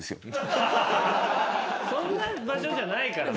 そんな場所じゃないから。